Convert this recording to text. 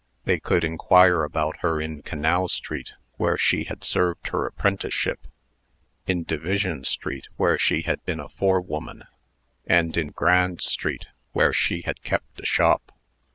They could inquire about her in Canal street, where she had served her apprenticeship; in Division street, where she had been a forewoman; and in Grand street, where she had kept a shop.